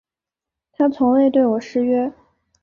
他从未对我失约